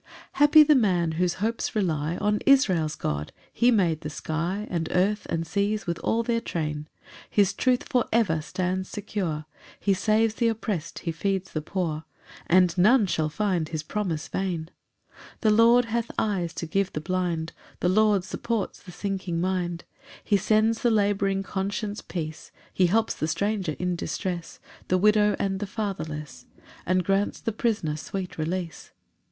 3 Happy the man whose hopes rely On Israel's God: he made the sky, And earth and seas with all their train; His truth for ever stands secure; He saves th' opprest, he feeds the poor, And none shall find his promise vain. 4 The Lord hath eyes to give the blind; The Lord supports the sinking mind; He sends the labouring conscience peace: He helps the stranger in distress, The widow and the fatherless, And grants the prisoner sweet release.